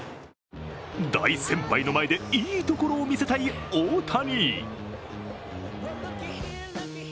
大先輩の前でいいところを見せたい大谷。